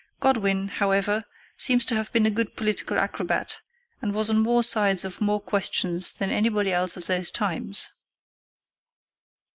Godwin, however, seems to have been a good political acrobat, and was on more sides of more questions than anybody else of those times.